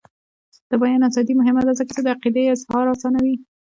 د بیان ازادي مهمه ده ځکه چې د عقیدې اظهار اسانوي.